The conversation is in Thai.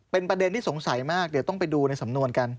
เป็นประเด็นที่สงสัยมากเดี๋ยวต้องไปดูในสำนวนกัน